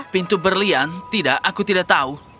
pintu berlian tidak aku tidak tahu